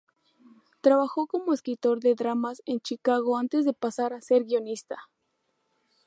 Trabajó como escritor de dramas en Chicago antes de pasar a ser guionista.